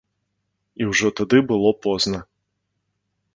І ўжо тады было позна.